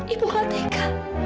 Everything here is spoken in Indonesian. ibu gak teka